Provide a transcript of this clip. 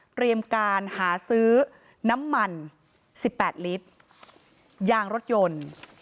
เตรียมการหาซื้อน้ำมัน๑๘ลิตรยางรถยนต์